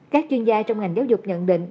các chuyên gia trong ngành giáo dục nhận định